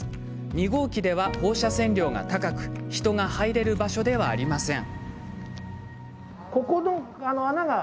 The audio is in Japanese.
２号機では放射線量が高く人が入れる場所ではありません。